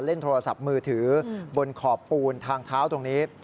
เล่นโทรศัพท์มือถือบนขอบปูนทางเท้าตรงนี้